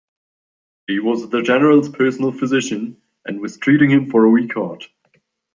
He was the General's personal physician, and was treating him for a weak heart.